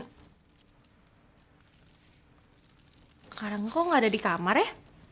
sekarang kok nggak ada di kamar ya